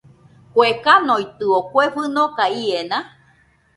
¿Kue kanoitɨo, kue fɨnoka iena?